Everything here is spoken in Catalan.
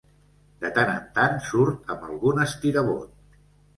De tant en tant surt amb algun estirabot.